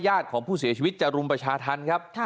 ญาติของผู้เสียชีวิตจะรุมประชาธรรม